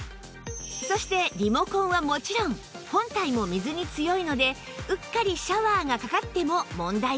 そしてリモコンはもちろん本体も水に強いのでうっかりシャワーがかかっても問題ありません